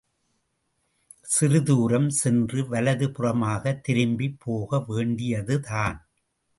சிறிது தூரம் சென்று வலது புறமாகத் திரும்பிப் போக வேண்டியதுதான்.